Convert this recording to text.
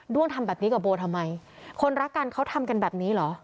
้วงทำแบบนี้กับโบทำไมคนรักกันเขาทำกันแบบนี้เหรอ